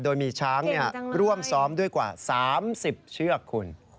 โดยมีช้างร่วมซ้อมด้วยกว่า๓๐เชือกคุณ